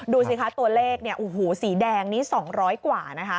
ดูสิคะตัวเลขสีแดงนี้๒๐๐กว่า